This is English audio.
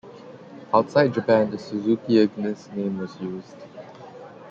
Outside Japan, the "Suzuki Ignis" name was used.